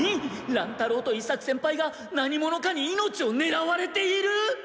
乱太郎と伊作先輩が何者かに命をねらわれている？